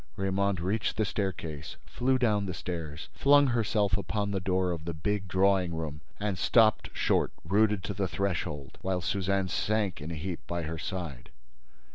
Raymonde reached the staircase, flew down the stairs, flung herself upon the door of the big drawing room and stopped short, rooted to the threshold, while Suzanne sank in a heap by her side.